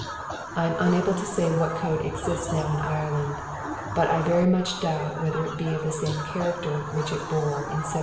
I am unable to say what code exists now in Ireland, but I very much doubt whether it be of the same character which it bore in 1777.